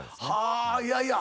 いやいや。